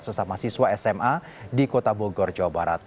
sesama siswa sma di kota bogor jawa barat